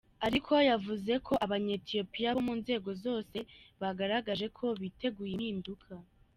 Ariko yavuze ko Abanya-Ethiopia bo mu nzego zose bagaragaje ko biteguye impinduka.